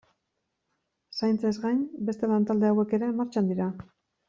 Zaintzaz gain, beste lantalde hauek ere martxan dira.